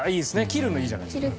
切るのいいじゃないですか。